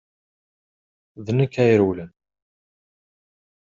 D nekk ay irewlen.